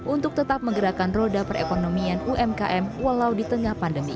untuk tetap menggerakkan roda perekonomian umkm walau di tengah pandemi